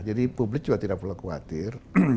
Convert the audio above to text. jadi publik juga tidak perlu khawatir